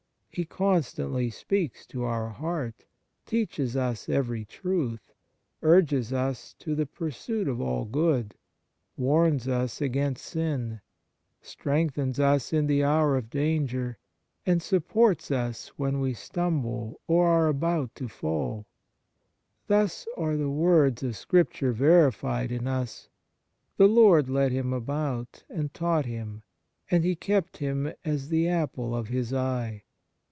He 1 Sess. vi., c. 76, de Justif. 108 EFFECT AND FRUITS OF DIVINE GRACE constantly speaks to our heart, teaches us every truth, urges us to the pursuit of all good, warns us against sin, strengthens us in the hour of danger, and supports us when we stumble or are about to fall. Thus are the words of Scripture verified in us: "The Lord led him about, and taught him ; and He kept him as the apple of His eye.